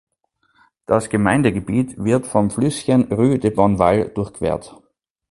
Das Gemeindegebiet wird vom Flüsschen Ru de Bonneval durchquert.